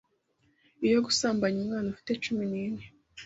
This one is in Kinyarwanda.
Iyo gusambanya umwana ufite cumi nine